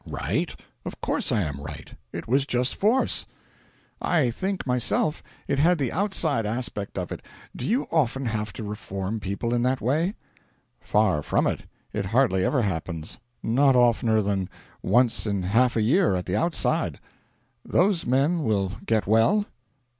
'Right? Of course I am right. It was just force.' 'I think, myself, it had the outside aspect of it. Do you often have to reform people in that way?' 'Far from it. It hardly ever happens. Not oftener than once in half a year, at the outside.' 'Those men will get well?'